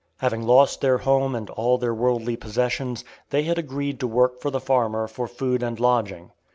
Having lost their home and all their worldly possessions, they had agreed to work for the farmer for food and lodging.